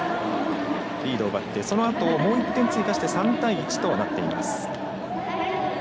リードを奪ってそのあともう１点を追加して３対１となっています。